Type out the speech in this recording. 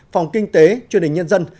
phòng kinh tế truyền hình nhân dân